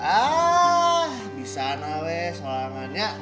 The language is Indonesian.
eh bisa lah weh seorangnya